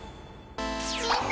みんな